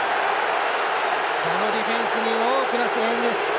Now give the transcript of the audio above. このディフェンスに大きな声援です。